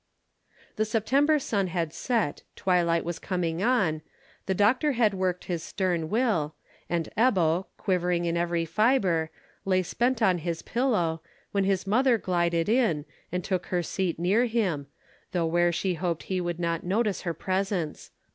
The September sun had set, twilight was coming on, the doctor had worked his stern will, and Ebbo, quivering in every fibre, lay spent on his pillow, when his mother glided in, and took her seat near him, though where she hoped he would not notice her presence.